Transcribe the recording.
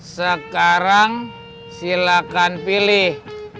sekarang silakan pilih